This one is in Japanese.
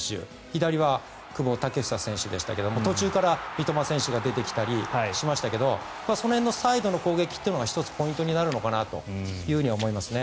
左は久保建英選手でしたが途中から三笘選手が出てきたりしましたがその辺のサイドの攻撃が１つポイントになるのかなと思いますね。